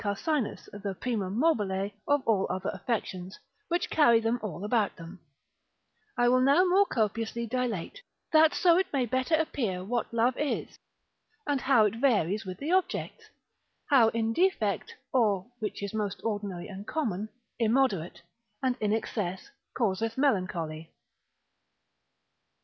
Caussinus, the primum mobile of all other affections, which carry them all about them) I will now more copiously dilate, through all his parts and several branches, that so it may better appear what love is, and how it varies with the objects, how in defect, or (which is most ordinary and common) immoderate, and in excess, causeth melancholy.